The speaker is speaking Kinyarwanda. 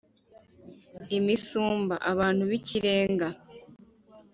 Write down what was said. imisumba: abantu b’ikirenga